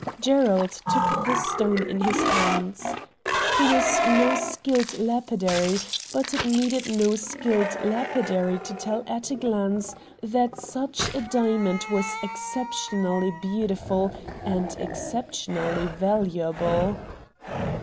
Gerald took the stone in his hands. He was no skilled lapidary, but it needed no skilled lapidary to tell at a glance that such a diamond was exceptionally beautiful and ex ceptionally valuable.